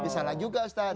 bisa lah juga ustadz